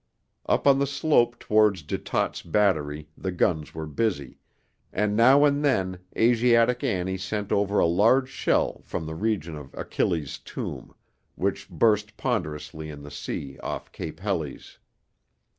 Up on the slope towards De Tott's Battery the guns were busy, and now and then Asiatic Annie sent over a large shell from the region of Achilles' tomb, which burst ponderously in the sea off Cape Helles.